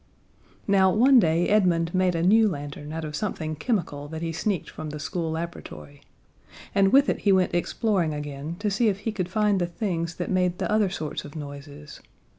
Now, one day Edmund made a new lantern out of something chemical that he sneaked from the school laboratory. And with it he went exploring again to see if he could find the things that made the other sorts of noises.